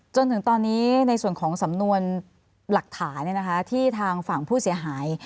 จนถึงตอนนี้ในส่วนของสำนวนหลักฐานที่ทางฝั่งผู้เสียหาย